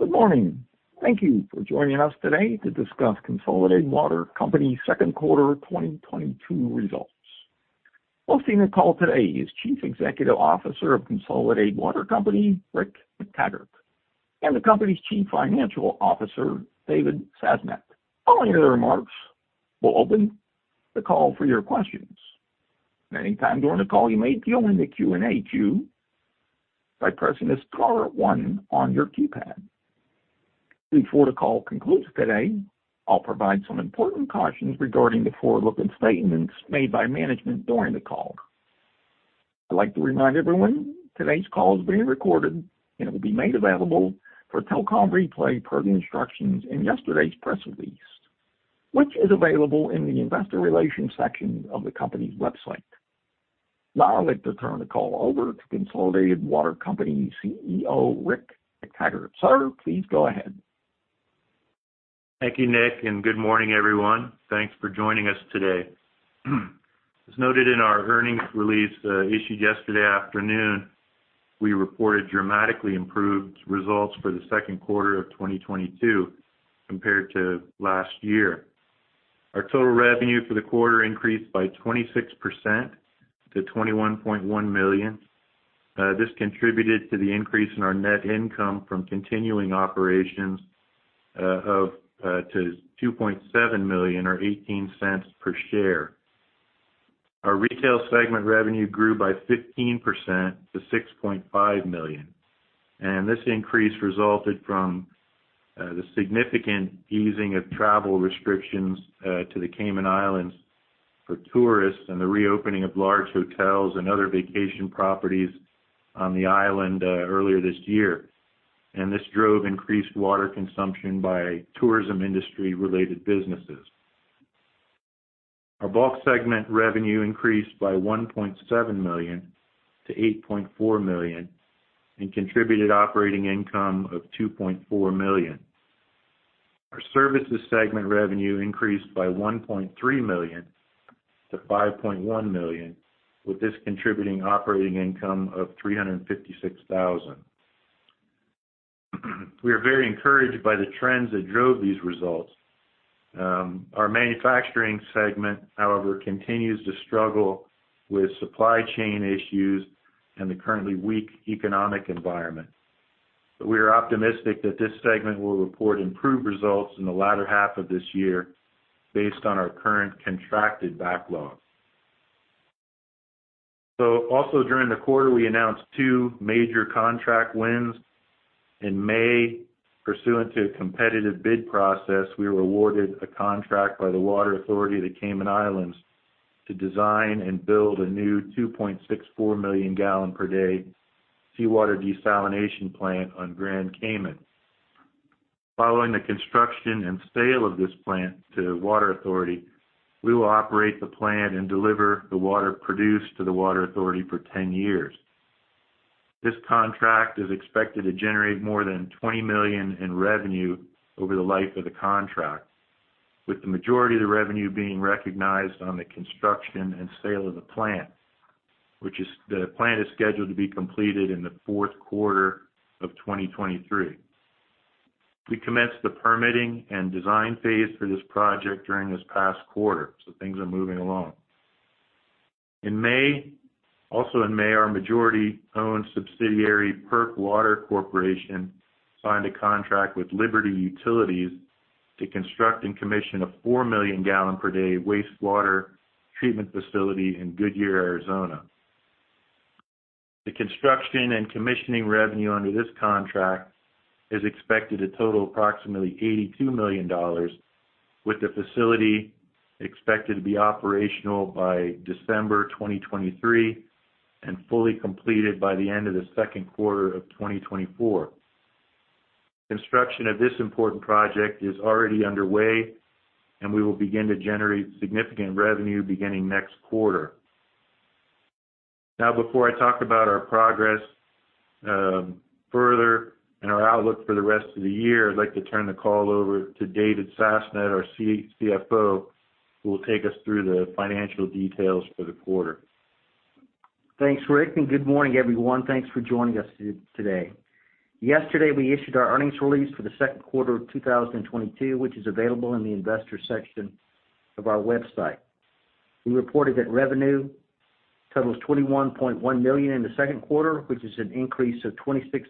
Good morning. Thank you for joining us today to discuss Consolidated Water Company second quarter 2022 results. Hosting the call today is Chief Executive Officer of Consolidated Water Company, Rick McTaggart, and the company's Chief Financial Officer, David W. Sasnett. Following their remarks, we'll open the call for your questions. At any time during the call, you may queue into Q&A queue by pressing star one on your keypad. Before the call concludes today, I'll provide some important cautions regarding the forward-looking statements made by management during the call. I'd like to remind everyone, today's call is being recorded and it will be made available for telecom replay per the instructions in yesterday's press release, which is available in the investor relations section of the company's website. Now I'd like to turn the call over to Consolidated Water Company CEO, Rick McTaggart. Sir, please go ahead. Thank you, Nick, and good morning, everyone. Thanks for joining us today. As noted in our earnings release issued yesterday afternoon, we reported dramatically improved results for the second quarter of 2022 compared to last year. Our total revenue for the quarter increased by 26% to $21.1 million. This contributed to the increase in our net income from continuing operations to $2.7 million or 18 cents per share. Our retail segment revenue grew by 15% to $6.5 million, and this increase resulted from the significant easing of travel restrictions to the Cayman Islands for tourists and the reopening of large hotels and other vacation properties on the island earlier this year. This drove increased water consumption by tourism industry-related businesses. Our bulk segment revenue increased by $1.7 million to $8.4 million and contributed operating income of $2.4 million. Our services segment revenue increased by $1.3 million to $5.1 million, with this contributing operating income of $356 thousand. We are very encouraged by the trends that drove these results. Our manufacturing segment, however, continues to struggle with supply chain issues and the currently weak economic environment. We are optimistic that this segment will report improved results in the latter half of this year based on our current contracted backlog. Also during the quarter, we announced two major contract wins. In May, pursuant to a competitive bid process, we were awarded a contract by the Water Authority of the Cayman Islands to design and build a new 2.64 million gallon per day seawater desalination plant on Grand Cayman. Following the construction and sale of this plant to Water Authority, we will operate the plant and deliver the water produced to the Water Authority for 10 years. This contract is expected to generate more than $20 million in revenue over the life of the contract, with the majority of the revenue being recognized on the construction and sale of the plant, the plant is scheduled to be completed in the fourth quarter of 2023. We commenced the permitting and design phase for this project during this past quarter, so things are moving along. Also in May, our majority-owned subsidiary, PERC Water Corporation, signed a contract with Liberty Utilities to construct and commission a 4 million gallon per day wastewater treatment facility in Goodyear, Arizona. The construction and commissioning revenue under this contract is expected to total approximately $82 million, with the facility expected to be operational by December 2023 and fully completed by the end of the second quarter of 2024. Construction of this important project is already underway, and we will begin to generate significant revenue beginning next quarter. Now, before I talk about our progress further and our outlook for the rest of the year, I'd like to turn the call over to David W. Sasnett, our CFO, who will take us through the financial details for the quarter. Thanks, Rick, and good morning, everyone. Thanks for joining us today. Yesterday, we issued our earnings release for the second quarter of 2022, which is available in the Investors section of our website. We reported that revenue totals $21.1 million in the second quarter, which is an increase of 26%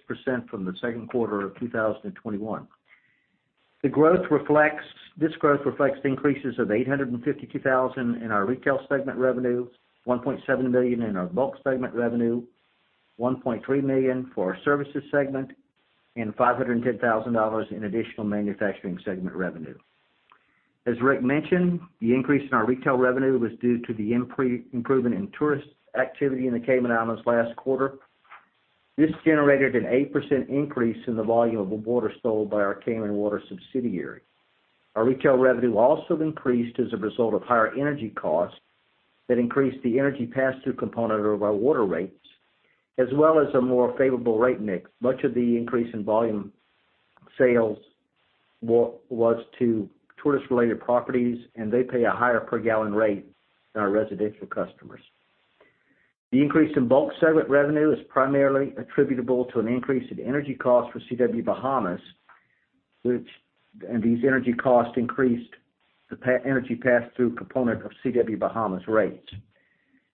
from the second quarter of 2021. This growth reflects the increases of $852,000 in our retail segment revenue, $1.7 million in our bulk segment revenue, $1.3 million for our services segment, and $510,000 in additional manufacturing segment revenue. As Rick mentioned, the increase in our retail revenue was due to the improvement in tourist activity in the Cayman Islands last quarter. This generated an 8% increase in the volume of the water sold by our Cayman Water subsidiary. Our retail revenue also increased as a result of higher energy costs that increased the energy pass-through component of our water rates, as well as a more favorable rate mix. Much of the increase in volume sales was to tourist-related properties, and they pay a higher per gallon rate than our residential customers. The increase in bulk segment revenue is primarily attributable to an increase in energy costs for CW Bahamas, which these energy costs increased the energy pass-through component of CW Bahamas rates.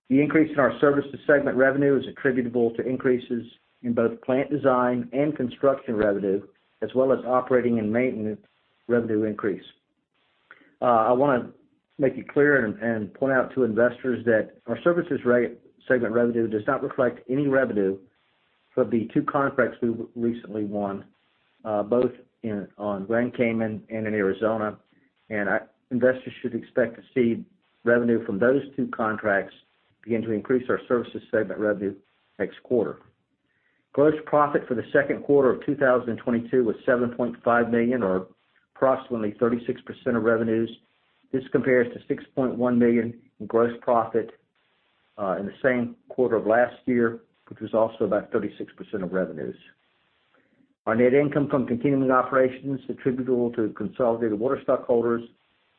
The increase in our services segment revenue is attributable to increases in both plant design and construction revenue, as well as operating and maintenance revenue increase. I wanna make it clear and point out to investors that our services segment revenue does not reflect any revenue from the two contracts we recently won, both on Grand Cayman and in Arizona. Investors should expect to see revenue from those two contracts begin to increase our services segment revenue next quarter. Gross profit for the second quarter of 2022 was $7.5 million, or approximately 36% of revenues. This compares to $6.1 million in gross profit in the same quarter of last year, which was also about 36% of revenues. Our net income from continuing operations attributable to Consolidated Water stockholders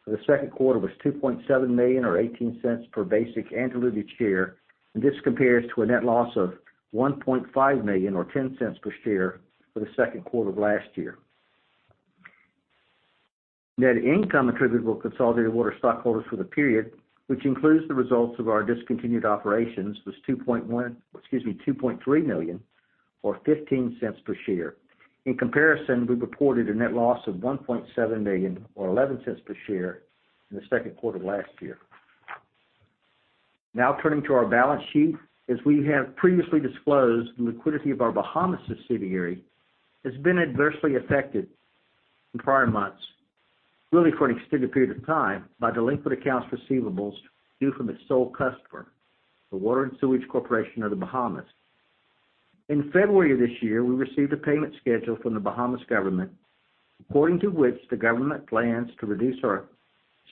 for the second quarter was $2.7 million or $0.18 per basic and diluted share. This compares to a net loss of $1.5 million or 10 cents per share for the second quarter of last year. Net income attributable to Consolidated Water stockholders for the period, which includes the results of our discontinued operations, was $2.3 million or 15 cents per share. In comparison, we reported a net loss of $1.7 million or 11 cents per share in the second quarter of last year. Now turning to our balance sheet. As we have previously disclosed, the liquidity of our Bahamas subsidiary has been adversely affected in prior months, really for an extended period of time, by delinquent accounts receivable due from its sole customer, the Water and Sewerage Corporation of The Bahamas. In February of this year, we received a payment schedule from the Bahamas government, according to which the government plans to reduce our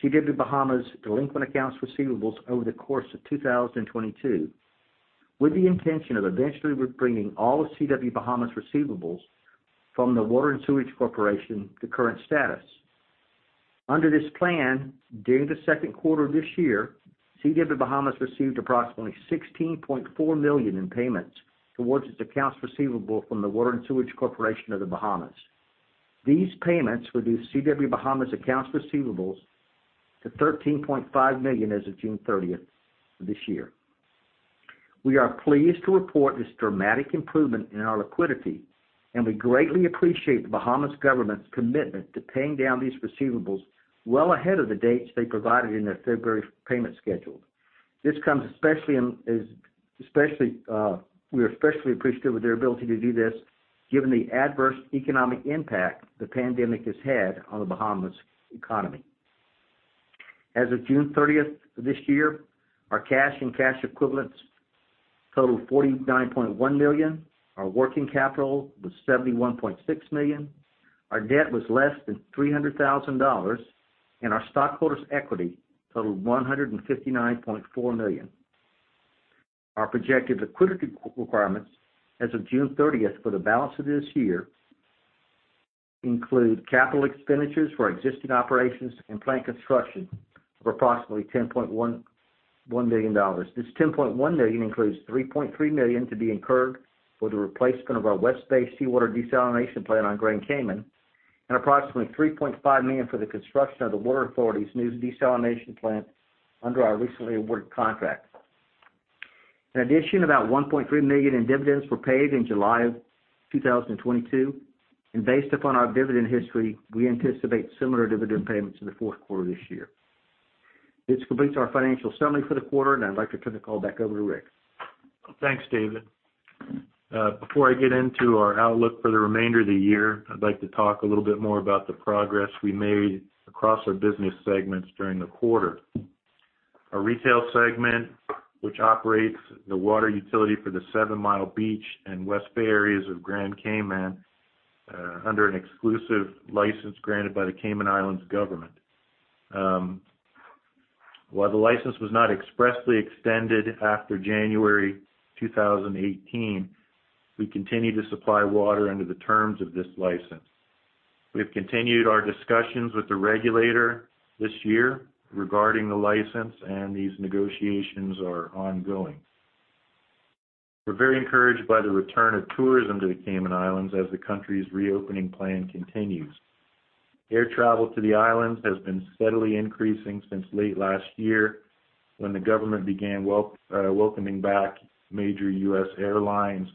CW Bahamas delinquent accounts receivables over the course of 2022, with the intention of eventually re-bringing all of CW Bahamas' receivables from the Water and Sewerage Corporation to current status. Under this plan, during the second quarter of this year, CW Bahamas received approximately $16.4 million in payments towards its accounts receivable from the Water and Sewerage Corporation of The Bahamas. These payments reduced CW Bahamas' accounts receivables to $13.5 million as of June 30th this year. We are pleased to report this dramatic improvement in our liquidity, and we greatly appreciate the Bahamas government's commitment to paying down these receivables well ahead of the dates they provided in their February payment schedule. We are especially appreciative of their ability to do this given the adverse economic impact the pandemic has had on The Bahamas economy. As of June thirtieth this year, our cash and cash equivalents totaled $49.1 million, our working capital was $71.6 million, our debt was less than $300,000, and our stockholders' equity totaled $159.4 million. Our projected liquidity requirements as of June thirtieth for the balance of this year include capital expenditures for existing operations and plant construction of approximately $10.1 million. This $10.1 million includes $3.3 million to be incurred for the replacement of our West Bay Seawater Desalination Plant on Grand Cayman, and approximately $3.5 million for the construction of the Water Authority's new desalination plant under our recently awarded contract. In addition, about $1.3 million in dividends were paid in July of 2022, and based upon our dividend history, we anticipate similar dividend payments in the fourth quarter this year. This completes our financial summary for the quarter, and I'd like to turn the call back over to Rick. Thanks, David. Before I get into our outlook for the remainder of the year, I'd like to talk a little bit more about the progress we made across our business segments during the quarter. Our retail segment, which operates the water utility for the Seven Mile Beach and West Bay areas of Grand Cayman, under an exclusive license granted by the Cayman Islands government. While the license was not expressly extended after January 2018, we continue to supply water under the terms of this license. We've continued our discussions with the regulator this year regarding the license, and these negotiations are ongoing. We're very encouraged by the return of tourism to the Cayman Islands as the country's reopening plan continues. Air travel to the islands has been steadily increasing since late last year when the government began welcoming back major U.S. airlines.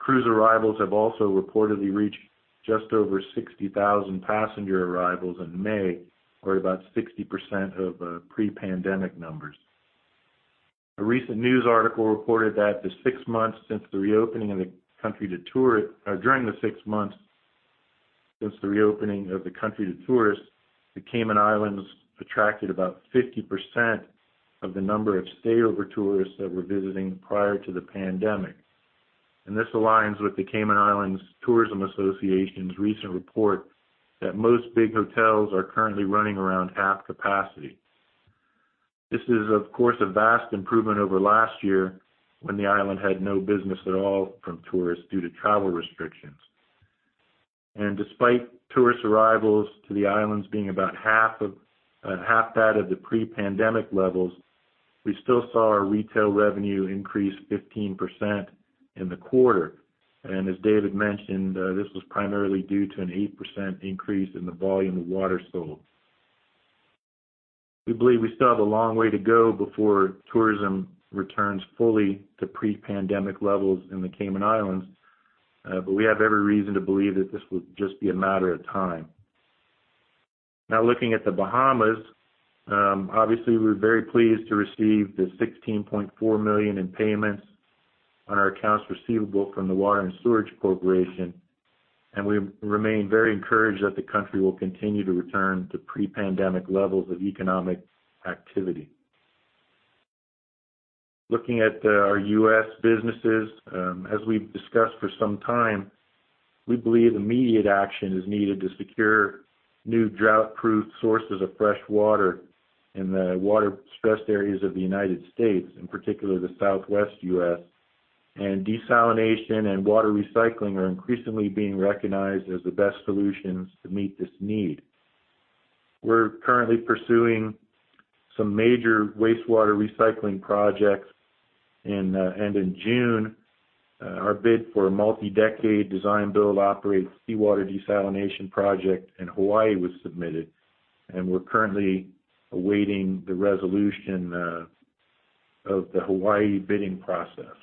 Cruise arrivals have also reportedly reached just over 60,000 passenger arrivals in May, or about 60% of pre-pandemic numbers. A recent news article reported that during the six months since the reopening of the country to tourists, the Cayman Islands attracted about 50% of the number of stayover tourists that were visiting prior to the pandemic. This aligns with the Cayman Islands Tourism Association's recent report that most big hotels are currently running around half capacity. This is, of course, a vast improvement over last year when the island had no business at all from tourists due to travel restrictions. Despite tourist arrivals to the islands being about half that of the pre-pandemic levels, we still saw our retail revenue increase 15% in the quarter. As David mentioned, this was primarily due to an 8% increase in the volume of water sold. We believe we still have a long way to go before tourism returns fully to pre-pandemic levels in the Cayman Islands, but we have every reason to believe that this will just be a matter of time. Now looking at The Bahamas, obviously we're very pleased to receive the $16.4 million in payments on our accounts receivable from the Water and Sewerage Corporation, and we remain very encouraged that the country will continue to return to pre-pandemic levels of economic activity. Looking at our U.S. businesses, as we've discussed for some time, we believe immediate action is needed to secure new drought-proof sources of fresh water in the water-stressed areas of the United States, in particular the Southwest U.S. Desalination and water recycling are increasingly being recognized as the best solutions to meet this need. We're currently pursuing some major wastewater recycling projects and in June our bid for a multi-decade design build operate seawater desalination project in Hawaii was submitted, and we're currently awaiting the resolution of the Hawaii bidding process.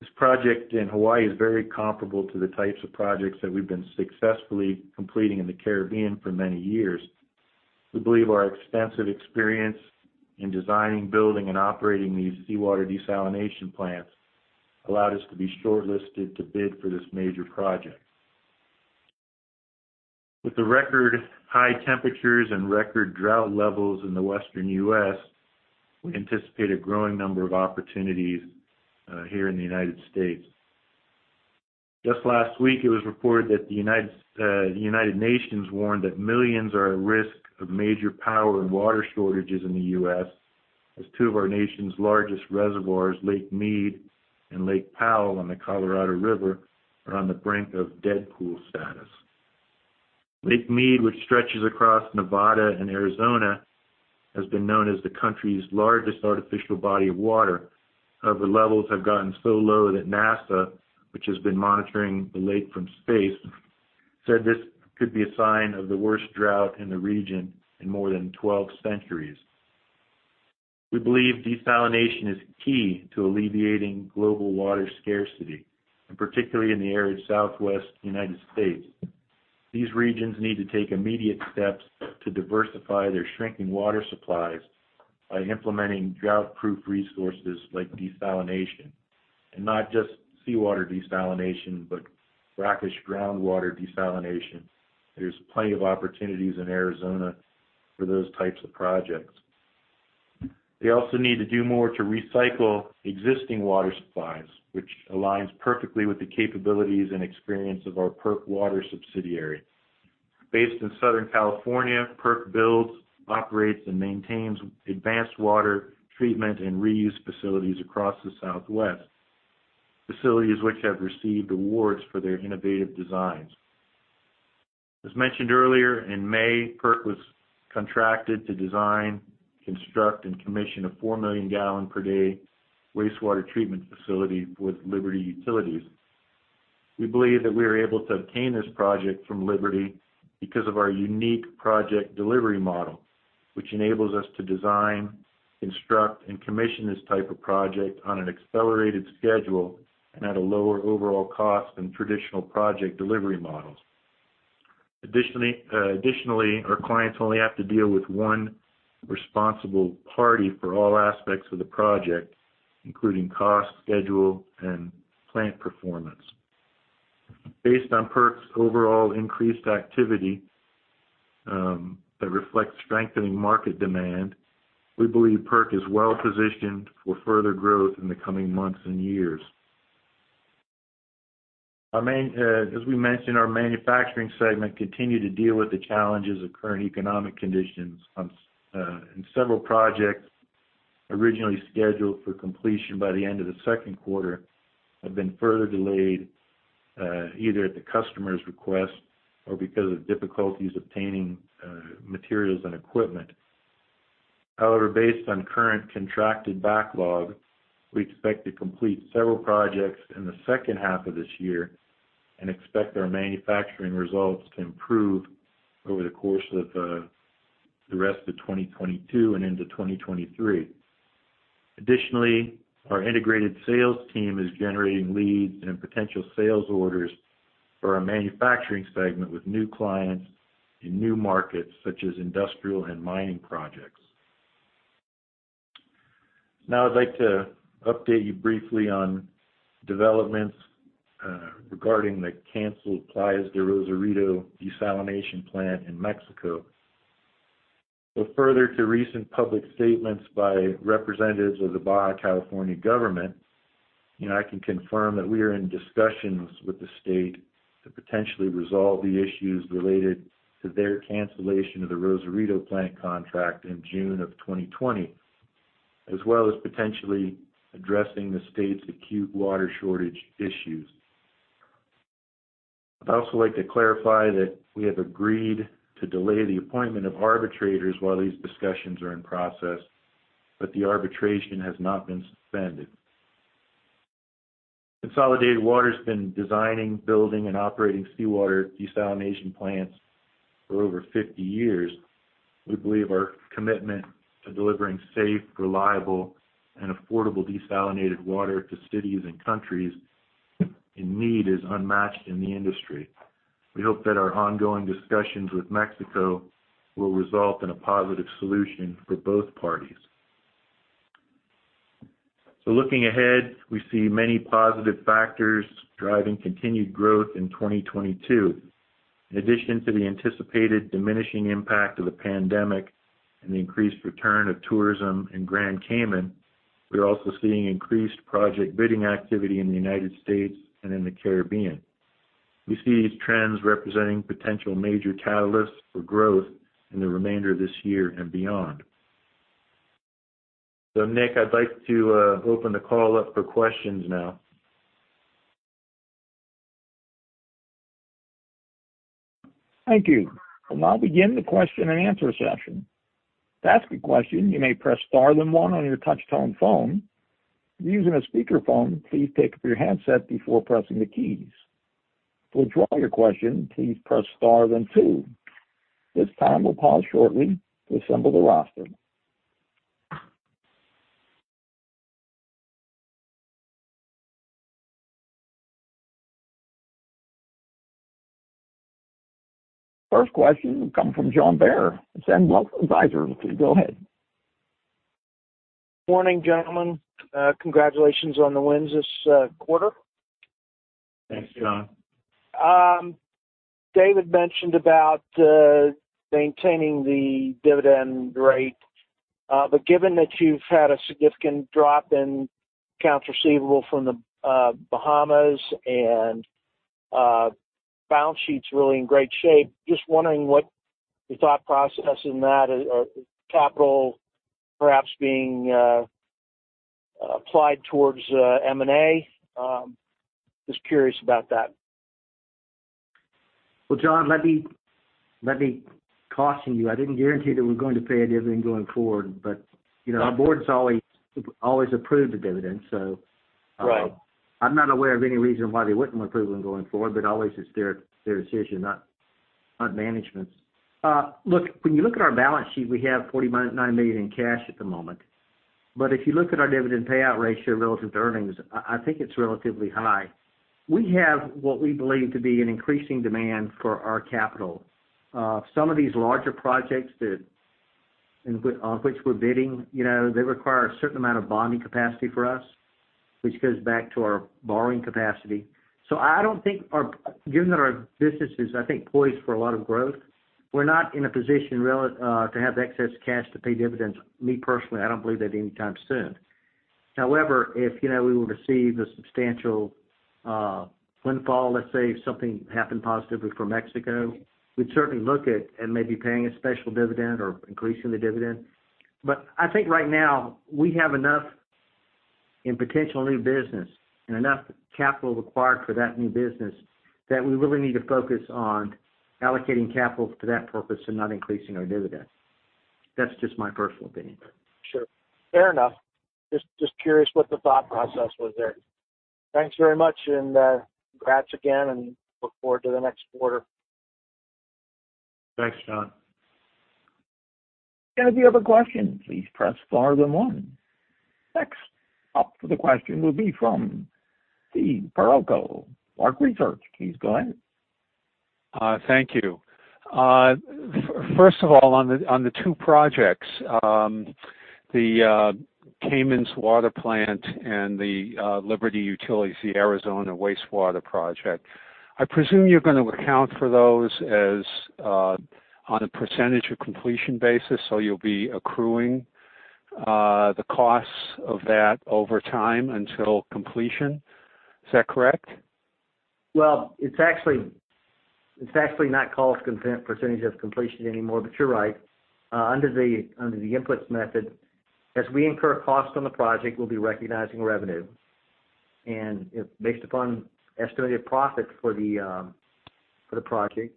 This project in Hawaii is very comparable to the types of projects that we've been successfully completing in the Caribbean for many years. We believe our extensive experience in designing, building, and operating these seawater desalination plants allowed us to be shortlisted to bid for this major project. With the record high temperatures and record drought levels in the Western U.S., we anticipate a growing number of opportunities here in the United States. Just last week, it was reported that the United Nations warned that millions are at risk of major power and water shortages in the U.S. as two of our nation's largest reservoirs, Lake Mead and Lake Powell on the Colorado River, are on the brink of dead pool status. Lake Mead, which stretches across Nevada and Arizona, has been known as the country's largest artificial body of water. However, levels have gotten so low that NASA, which has been monitoring the lake from space, said this could be a sign of the worst drought in the region in more than 12 centuries. We believe desalination is key to alleviating global water scarcity, and particularly in the arid Southwest United States. These regions need to take immediate steps to diversify their shrinking water supplies by implementing drought-proof resources like desalination, and not just seawater desalination, but brackish groundwater desalination. There's plenty of opportunities in Arizona for those types of projects. They also need to do more to recycle existing water supplies, which aligns perfectly with the capabilities and experience of our PERC Water subsidiary. Based in Southern California, PERC builds, operates, and maintains advanced water treatment and reuse facilities across the Southwest, facilities which have received awards for their innovative designs. As mentioned earlier, in May, PERC was contracted to design, construct, and commission a four million gallon per day wastewater treatment facility with Liberty Utilities. We believe that we were able to obtain this project from Liberty because of our unique project delivery model, which enables us to design, construct, and commission this type of project on an accelerated schedule and at a lower overall cost than traditional project delivery models. Additionally, our clients only have to deal with one responsible party for all aspects of the project, including cost, schedule, and plant performance. Based on PERC's overall increased activity, that reflects strengthening market demand, we believe PERC is well-positioned for further growth in the coming months and years. As we mentioned, our manufacturing segment continued to deal with the challenges of current economic conditions, and several projects originally scheduled for completion by the end of the second quarter have been further delayed, either at the customer's request or because of difficulties obtaining materials and equipment. However, based on current contracted backlog, we expect to complete several projects in the second half of this year and expect our manufacturing results to improve over the course of the rest of 2022 and into 2023. Additionally, our integrated sales team is generating leads and potential sales orders for our manufacturing segment with new clients in new markets such as industrial and mining projects. Now I'd like to update you briefly on developments regarding the canceled Playas de Rosarito desalination plant in Mexico. Further to recent public statements by representatives of the Baja California government, you know, I can confirm that we are in discussions with the state to potentially resolve the issues related to their cancellation of the Rosarito plant contract in June of 2020, as well as potentially addressing the state's acute water shortage issues. I'd also like to clarify that we have agreed to delay the appointment of arbitrators while these discussions are in process, but the arbitration has not been suspended. Consolidated Water's been designing, building, and operating seawater desalination plants for over 50 years. We believe our commitment to delivering safe, reliable, and affordable desalinated water to cities and countries in need is unmatched in the industry. We hope that our ongoing discussions with Mexico will result in a positive solution for both parties. Looking ahead, we see many positive factors driving continued growth in 2022. In addition to the anticipated diminishing impact of the pandemic and the increased return of tourism in Grand Cayman, we're also seeing increased project bidding activity in the United States and in the Caribbean. We see these trends representing potential major catalysts for growth in the remainder of this year and beyond. Nick, I'd like to open the call up for questions now. Thank you. We'll now begin the question and answer session. To ask a question, you may press star then one on your touch-tone phone. If you're using a speakerphone, please pick up your handset before pressing the keys. To withdraw your question, please press star then two. This time we'll pause shortly to assemble the roster. First question will come from John Bair with Sandwell Advisor. Please go ahead. Morning, gentlemen. Congratulations on the wins this quarter. Thanks, John. David mentioned about maintaining the dividend rate. Given that you've had a significant drop in accounts receivable from the Bahamas and balance sheet's really in great shape, just wondering what the thought process in that or capital perhaps being applied towards M&A. Just curious about that. Well, John, let me caution you. I didn't guarantee that we're going to pay a dividend going forward, but, you know, our board's always approved the dividend. Right. I'm not aware of any reason why they wouldn't approve one going forward, but always it's their decision, not management's. Look, when you look at our balance sheet, we have $49 million in cash at the moment. If you look at our dividend payout ratio relative to earnings, I think it's relatively high. We have what we believe to be an increasing demand for our capital. Some of these larger projects on which we're bidding, you know, they require a certain amount of bonding capacity for us, which goes back to our borrowing capacity. I don't think, given that our business is, I think, poised for a lot of growth, we're not in a position to have excess cash to pay dividends. Me, personally, I don't believe that anytime soon. However, if, you know, we were to see the substantial windfall, let's say, if something happened positively for Mexico, we'd certainly look at maybe paying a special dividend or increasing the dividend. I think right now, we have enough in potential new business and enough capital required for that new business that we really need to focus on allocating capital for that purpose and not increasing our dividend. That's just my personal opinion. Sure. Fair enough. Just curious what the thought process was there. Thanks very much, and congrats again, and look forward to the next quarter. Thanks, John. If you have a question, please press star then one. Next up for the question will be from Steve Parrago, Park Research. Please go ahead. Thank you. First of all, on the two projects, the Cayman Water plant and the Liberty Utilities, the Arizona wastewater project, I presume you're gonna account for those as on a percentage of completion basis, so you'll be accruing the costs of that over time until completion. Is that correct? Well, it's actually not called contract percentage of completion anymore, but you're right. Under the input method, as we incur costs on the project, we'll be recognizing revenue. If based upon estimated profits for the project,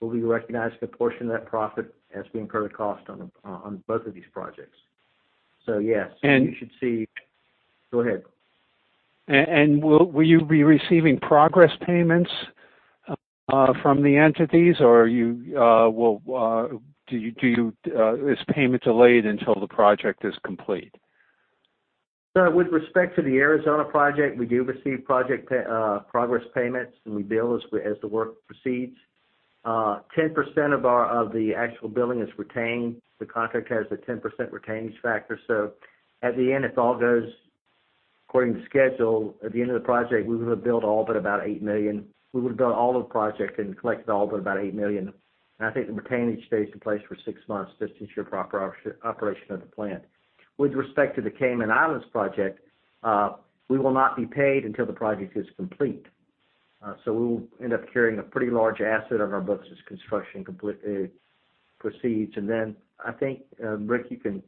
we'll be recognizing a portion of that profit as we incur the cost on both of these projects. Yes. And- You should see. Go ahead. Will you be receiving progress payments from the entities, or is payment delayed until the project is complete? With respect to the Arizona project, we do receive project progress payments, and we bill as we, as the work proceeds. Ten percent of the actual billing is retained. The contract has a 10% retainage factor. At the end, it all goes according to schedule. At the end of the project, we would have billed all but about $8 million. We would have done all the project and collected all but about $8 million. I think the retainage stays in place for six months just to ensure proper operation of the plant. With respect to the Cayman Islands project, we will not be paid until the project is complete. We will end up carrying a pretty large asset on our books as construction proceeds. I think, Rick, you can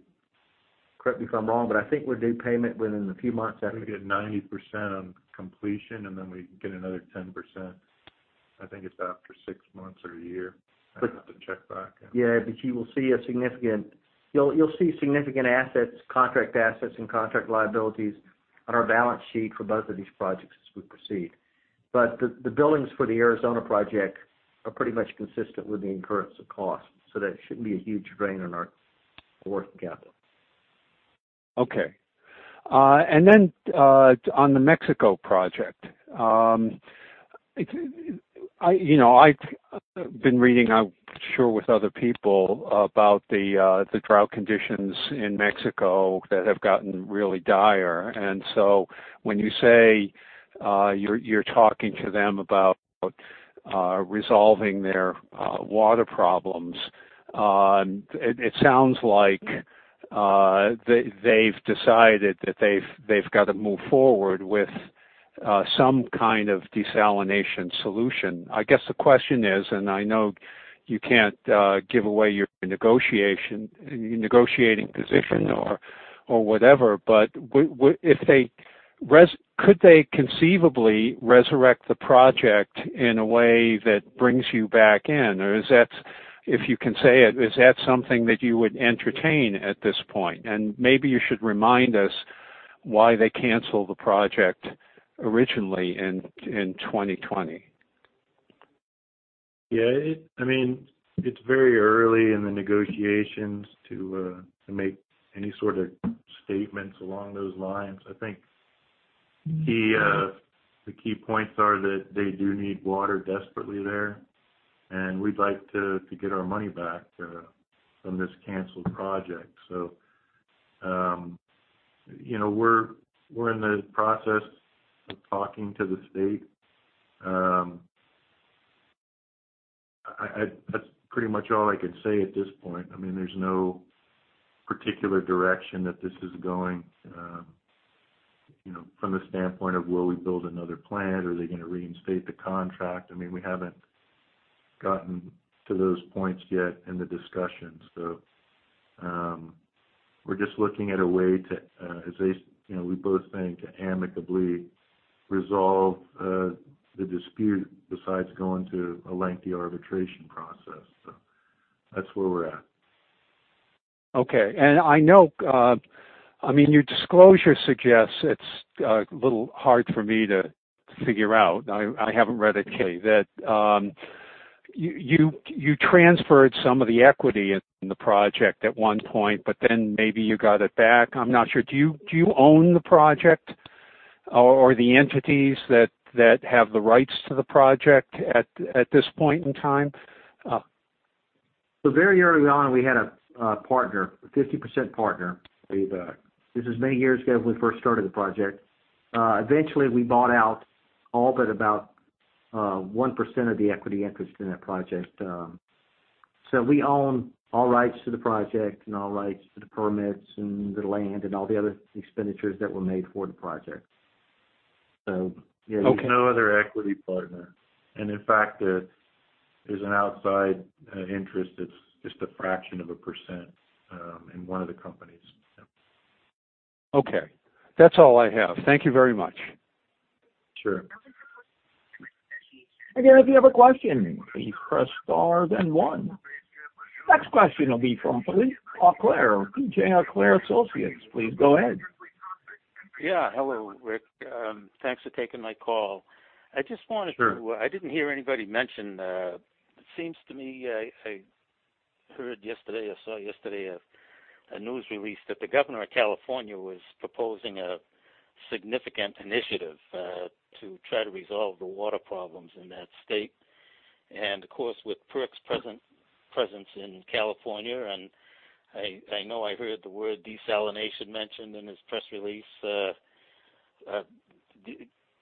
correct me if I'm wrong, but I think we're due payment within a few months after. We get 90% on completion, and then we get another 10%. I think it's after six months or a year. But- I'd have to check back. Yeah, you'll see significant assets, contract assets and contract liabilities on our balance sheet for both of these projects as we proceed. The billings for the Arizona project are pretty much consistent with the incurrence of costs, so that shouldn't be a huge drain on our working capital. Okay. On the Mexico project, you know, I've been reading, I'm sure with other people about the drought conditions in Mexico that have gotten really dire. When you say you're talking to them about resolving their water problems, it sounds like they've decided that they've got to move forward with some kind of desalination solution. I guess the question is, I know you can't give away your negotiating position or whatever. Could they conceivably resurrect the project in a way that brings you back in? Is that, if you can say it, something that you would entertain at this point? Maybe you should remind us why they canceled the project originally in 2020. Yeah, I mean, it's very early in the negotiations to make any sort of statements along those lines. I think the key points are that they do need water desperately there, and we'd like to get our money back from this canceled project. You know, we're in the process of talking to the state. That's pretty much all I can say at this point. I mean, there's no particular direction that this is going, you know, from the standpoint of will we build another plant? Are they gonna reinstate the contract? I mean, we haven't gotten to those points yet in the discussion. We're just looking at a way to, you know, we both think to amicably resolve the dispute besides going to a lengthy arbitration process. That's where we're at. Okay. I know, I mean, your disclosure suggests it's a little hard for me to figure out. I haven't read it, 10-K, that you transferred some of the equity in the project at one point, but then maybe you got it back. I'm not sure. Do you own the project or the entities that have the rights to the project at this point in time? Very early on, we had a partner, a 50% partner. This is many years ago when we first started the project. Eventually we bought out all but about 1% of the equity interest in that project. We own all rights to the project and all rights to the permits and the land and all the other expenditures that were made for the project. Yeah. Okay. There's no other equity partner. In fact, there's an outside interest that's just a fraction of a percent in one of the companies. Yeah. Okay. That's all I have. Thank you very much. Sure. Again, if you have a question, please press star then one. Next question will be from Philip Auclair of PJ Auclair Associates. Please go ahead. Yeah. Hello, Rick. Thanks for taking my call. I just wanted to. Sure. I didn't hear anybody mention it seems to me I heard yesterday or saw yesterday a news release that the governor of California was proposing a significant initiative to try to resolve the water problems in that state. Of course with PERC's presence in California and I know I heard the word desalination mentioned in his press release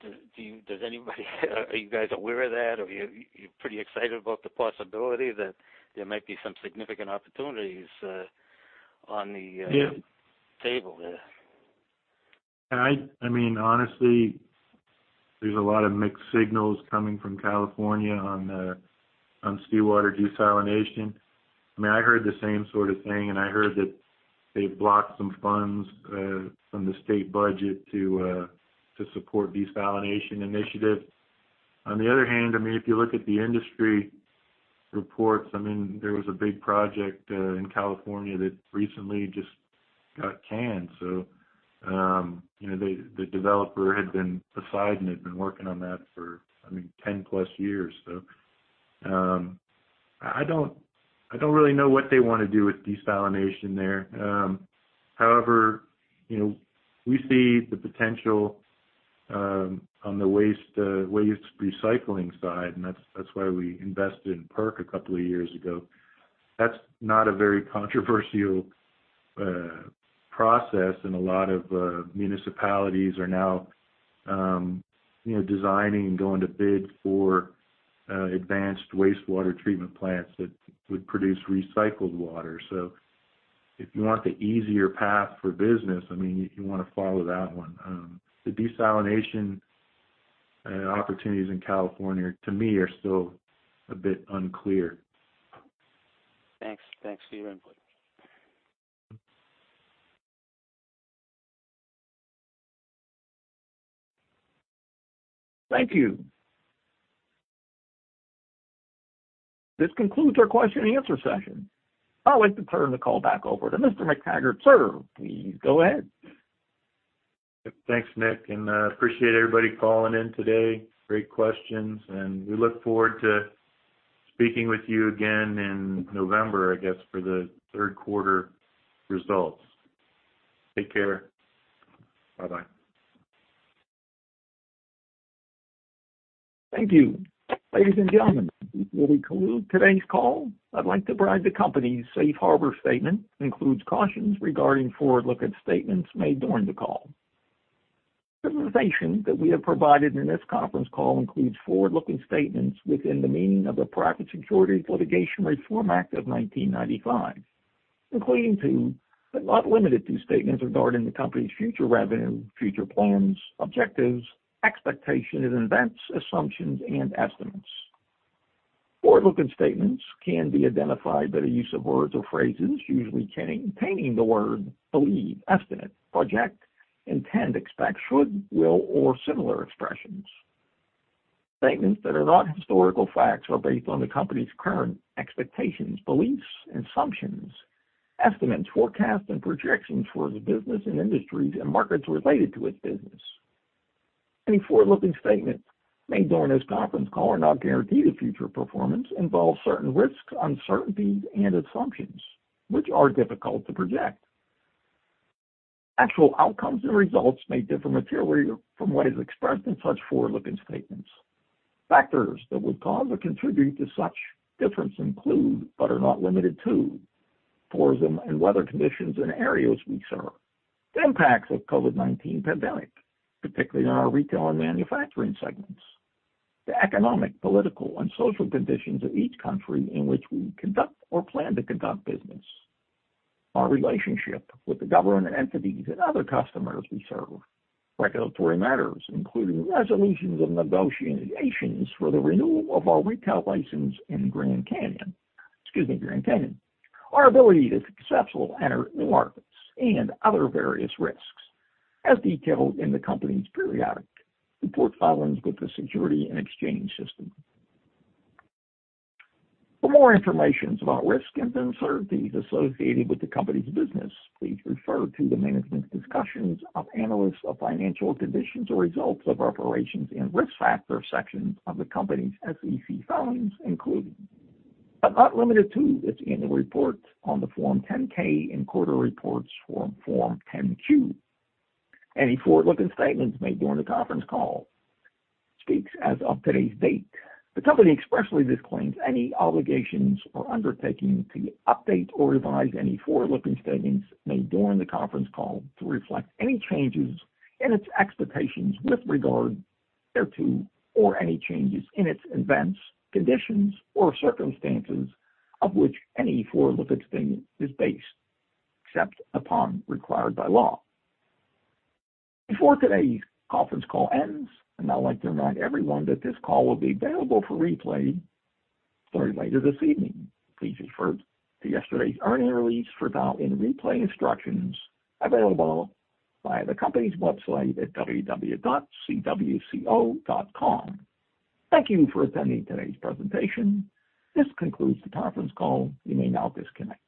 does anybody? Are you guys aware of that? Or are you pretty excited about the possibility that there might be some significant opportunities on the Yeah Table there? I mean, honestly, there's a lot of mixed signals coming from California on seawater desalination. I mean, I heard the same sort of thing, and I heard that they've blocked some funds from the state budget to support desalination initiatives. On the other hand, I mean, if you look at the industry reports, I mean, there was a big project in California that recently just got canned. You know, the developer they've been working on that for, I mean, 10+ years. I don't really know what they wanna do with desalination there. However, you know, we see the potential on the waste recycling side, and that's why we invested in PERC a couple of years ago. That's not a very controversial process, and a lot of municipalities are now, you know, designing and going to bid for advanced wastewater treatment plants that would produce recycled water. If you want the easier path for business, I mean, you wanna follow that one. The desalination opportunities in California to me are still a bit unclear. Thanks. Thanks for your input. Thank you. This concludes our question and answer session. I'd like to turn the call back over to Mr. McTaggart. Sir, please go ahead. Thanks, Nick, and appreciate everybody calling in today. Great questions, and we look forward to speaking with you again in November, I guess, for the third quarter results. Take care. Bye-bye. Thank you. Ladies and gentlemen, this will conclude today's call. I'd like to provide the company's safe harbor statement, includes cautions regarding forward-looking statements made during the call. The information that we have provided in this conference call includes forward-looking statements within the meaning of the Private Securities Litigation Reform Act of 1995, including, but not limited to, statements regarding the company's future revenue, future plans, objectives, expectation of events, assumptions and estimates. Forward-looking statements can be identified by the use of words or phrases usually containing the word believe, estimate, project, intend, expect, should, will, or similar expressions. Statements that are not historical facts are based on the company's current expectations, beliefs, assumptions, estimates, forecasts, and projections for the business and industries and markets related to its business. Any forward-looking statements made during this conference call are not guarantees of future performance, involve certain risks, uncertainties and assumptions which are difficult to project. Actual outcomes and results may differ materially from what is expressed in such forward-looking statements. Factors that would cause or contribute to such difference include, but are not limited to, tourism and weather conditions in areas we serve. The impacts of COVID-19 pandemic, particularly in our retail and manufacturing segments. The economic, political and social conditions of each country in which we conduct or plan to conduct business. Our relationship with the government entities and other customers we serve. Regulatory matters, including resolutions and negotiations for the renewal of our retail license in Grand Cayman. Our ability to successfully enter new markets and other various risks as detailed in the company's periodic report filings with the Securities and Exchange Commission. For more information about risks and uncertainties associated with the company's business, please refer to the Management's Discussion and Analysis of Financial Condition and Results of Operations and Risk Factors sections of the company's SEC filings, including, but not limited to, its annual report on Form 10-K and quarterly reports on Form 10-Q. Any forward-looking statements made during the conference call speak as of today's date. The company expressly disclaims any obligation or undertaking to update or revise any forward-looking statements made during the conference call to reflect any changes in its expectations with regard thereto or any changes in events, conditions or circumstances on which any forward-looking statement is based, except as required by law. Before today's conference call ends, I'd now like to remind everyone that this call will be available for replay starting later this evening. Please refer to yesterday's earnings release for dial-in replay instructions available via the company's website at www.cwco.com. Thank you for attending today's presentation. This concludes the conference call. You may now disconnect.